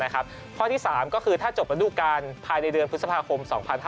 ข้อที่๓ก็คือถ้าจบระดูการภายในเดือนพฤษภาคม๒๕๕๙